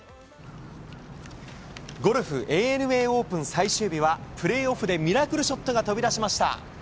ゴルフ、ＡＮＡオープン最終日は、プレーオフでミラクルショットが飛び出しました。